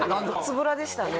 つぶらでしたね